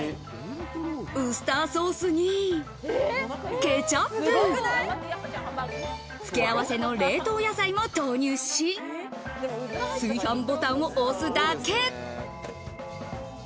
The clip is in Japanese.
ウスターソースにケチャップ、付け合わせの冷凍野菜も投入し、炊飯ボタンを押すだけ。